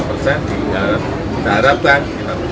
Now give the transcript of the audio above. kita di tahun dua ribu dua puluh tiga ini